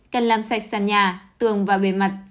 cần làm sạch sàn nhà tường và bề mặt